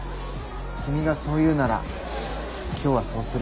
君がそう言うなら今日はそうする。